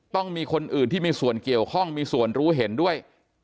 ต้องมีคนอื่นที่มีส่วนเกี่ยวข้องมีส่วนรู้เห็นด้วย